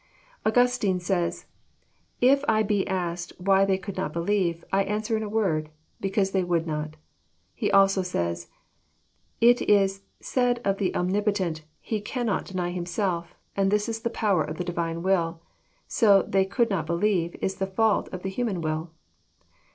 Augustine says :'* If I be asked why they could not believe, I answer in a word, Because they would not." — He also says, " It is said of the Omnipotent, He cannot deny Himself : and this is the power of the Divine will. So * they could not believe ' is the fault of the human will."